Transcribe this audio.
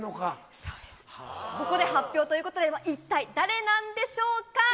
ここで発表ということで、一体誰なんでしょうか。